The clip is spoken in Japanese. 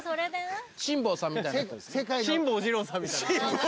辛坊治郎さんみたいな？